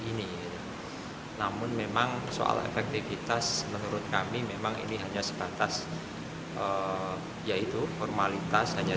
ini namun memang soal efektivitas menurut kami memang ini hanya sebatas yaitu formalitas hanya